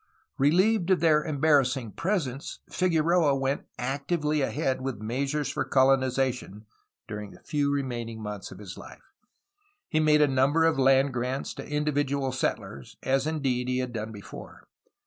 ReHeved of their embarrassing presence Figueroa went actively ahead with measures for colonization, during the few remaining months of his life. He made a number of land grants to individual settlers, as inded he had done before.